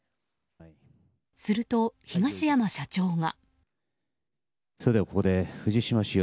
すると、東山社長が。